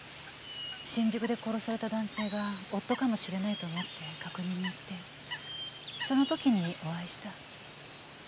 新宿で殺された男性が夫かもしれないと思って確認に行ってその時にお会いした。